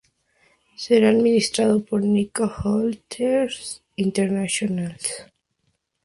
Será administrado por Nikko Hotels International.